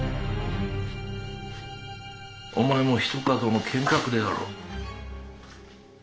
お前もひとかどの剣客であろう。